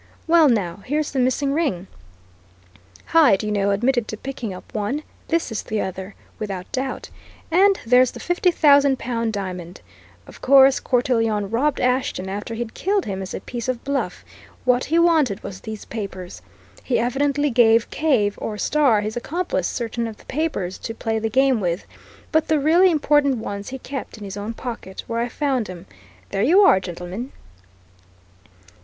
Well, now, here's the missing ring! Hyde, you know, admitted to picking up one this is the other, without doubt. And there's the fifty thousand pound diamond. Of course, Cortelyon robbed Ashton after he'd killed him as a piece of bluff what he wanted was these papers. He evidently gave Cave, or Starr, his accomplice, certain of the papers, to play the game with, but the really important ones he kept in his own pocket, where I found 'em. There you are, gentlemen."